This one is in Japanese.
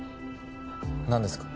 何ですか？